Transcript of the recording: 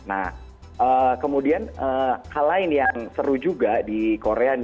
nah kemudian hal lain yang seru juga di korea